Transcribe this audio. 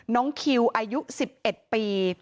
น้องคิวอายุ๑๑ปี